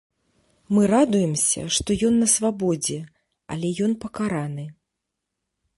Мы радуемся, што ён на свабодзе, але ён пакараны.